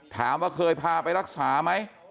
ถามว่าเคยพาไปรักษาไหม